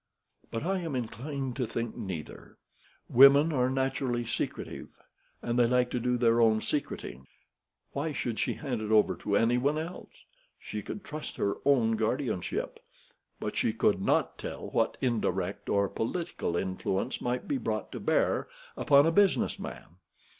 But I am inclined to think neither. Women are naturally secretive, and they like to do their own secreting. Why should she hand it over to anyone else? She could trust her own guardianship, but she could not tell what indirect or political influence might be brought to bear upon a business man.